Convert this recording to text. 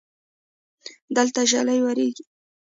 دلته ژلۍ ووري